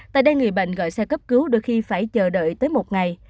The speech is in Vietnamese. tại đây người bệnh gọi xe cấp cứu đôi khi phải chờ đợi tới một ngày